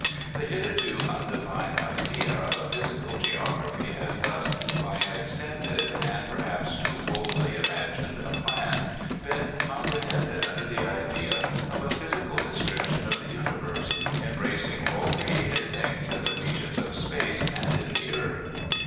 The hitherto undefined idea of a physical geog raphy has thus, by an extended and perhaps too boldly imag ined a plan, been comprehended under the idea of a physical description of the universe, embracing all created things in the regions of space and in the earth.